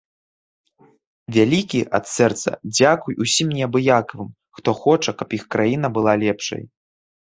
Вялікі, ад сэрца, дзякуй усім неабыякавым, хто хоча, каб іх краіна была лепшай!